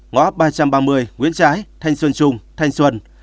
ngõ ba trăm ba mươi nguyễn trãi thanh xuân trung thanh xuân